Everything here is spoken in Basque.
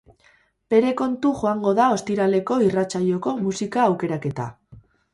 Bere kontu joango da ostiraleko irratsaioko musika aukeraketa.